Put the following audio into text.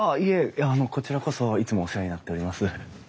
いやあのこちらこそいつもお世話になっております。